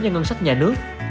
cho ngân sách nhà nước